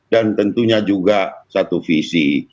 dan tentunya juga satu visi